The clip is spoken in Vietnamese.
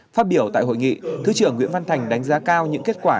phát biểu tại hội nghị thứ trưởng nguyễn văn thành đánh giá cao những kết quả